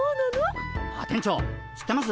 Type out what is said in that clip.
あっ店長知ってます？